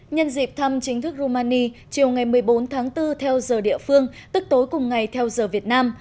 nhân dịp thăm chính thức rumania chiều ngày một mươi bốn tháng bốn theo giờ địa phương tức tối cùng ngày theo giờ việt nam